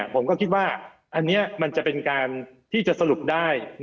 ผมก็คิดว่าอันนี้มันจะเป็นการที่จะสรุปได้